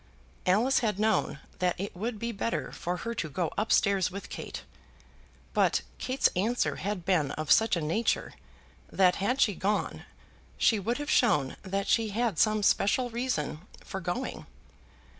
Alice had known that it would be better for her to go up stairs with Kate; but Kate's answer had been of such a nature that had she gone she would have shown that she had some special reason for going.